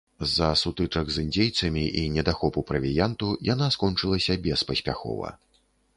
З-за сутычак з індзейцамі і недахопу правіянту яна скончылася беспаспяхова.